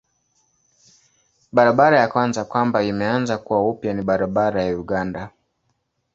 Barabara ya kwanza kwamba imeanza kuwa upya ni barabara ya Uganda.